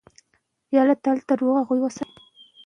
هغه د محمود په پلوۍ دروازه خلاصه کړه.